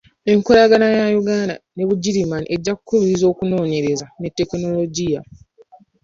Enkolagana ya Uganda ne Bugirimani ejja kubiriza okunoonyereza ne tekinologiya.